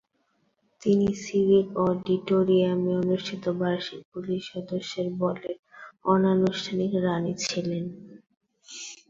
তিনি সিভিক অডিটোরিয়ামে অনুষ্ঠিত বার্ষিক পুলিশ সদস্যদের বলের অনানুষ্ঠানিক "রাণী" ছিলেন।